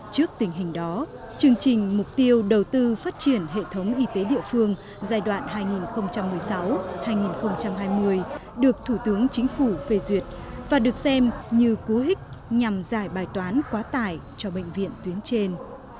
trước tình hình đó chương trình mục tiêu đầu tư phát triển hệ thống y tế địa phương giai đoạn hai nghìn một mươi sáu hai nghìn hai mươi được thủ tướng chính phủ phê duyệt và được xem như cú hích nhằm giải bài toán quá tải cho bệnh viện tuyến trên